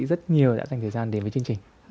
rất nhiều đã dành thời gian đến với chương trình